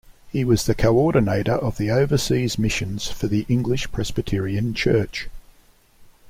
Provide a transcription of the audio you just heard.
He was the coordinator of the Overseas missions for the English Presbyterian church.